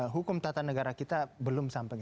hukum tata negara kita belum sampai